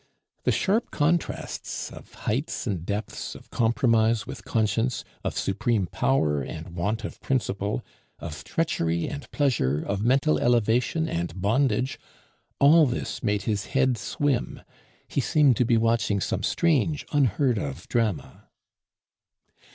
The sharp contrasts of heights and depths; of compromise with conscience; of supreme power and want of principle; of treachery and pleasure; of mental elevation and bondage all this made his head swim, he seemed to be watching some strange unheard of drama.